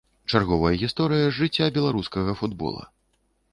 Чарговая гісторыя з жыцця беларускага футбола.